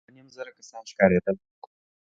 دوه ، دوه نيم زره کسان ښکارېدل.